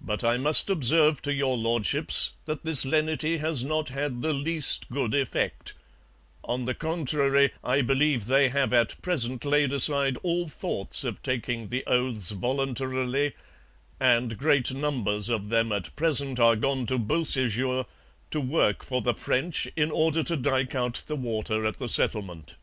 But I must observe to Your Lordships that this lenity has not had the least good effect; on the contrary, I believe they have at present laid aside all thoughts of taking the oaths voluntarily, and great numbers of them at present are gone to Beausejour to work for the French, in order to dyke out the water at the settlement.'